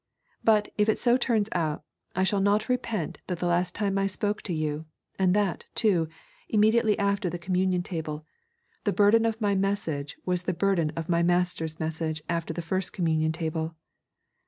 But, if it so turns out, I shall not repent that the last time I spoke to you, and that, too, immediately after the communion table, the burden of my message was the burden of my Master's message after the first communion table.